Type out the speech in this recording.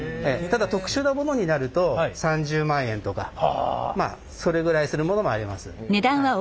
ただ特殊なものになると３０万円とかまあそれぐらいするものもあります。